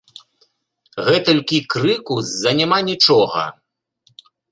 Гэтулькі крыку з-за няма нічога.